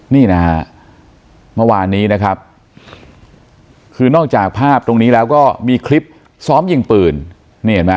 นี่นะฮะเมื่อวานนี้นะครับคือนอกจากภาพตรงนี้แล้วก็มีคลิปซ้อมยิงปืนนี่เห็นไหม